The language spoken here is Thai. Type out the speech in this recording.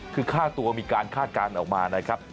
คือค่าตัวมีการคาดการณ์ออกมานะครับ